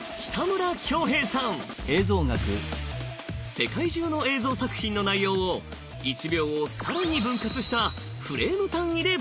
世界中の映像作品の内容を１秒を更に分割したフレーム単位で分析！